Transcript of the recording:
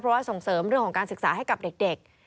เพราะว่าส่งเสริมเรื่องของการศึกษาให้กับเด็ก